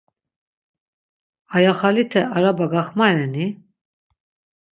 Aya xalite araba gaxmareni?